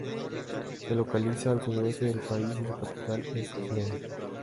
Se localiza al sudoeste del país y su capital es Vlorë.